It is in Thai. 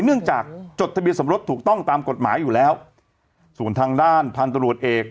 เนื่องจากจดทะเบียนสมรสถูกต้องตามกฎหมายอยู่แล้วส่วนทางด้านพันตรวจเอก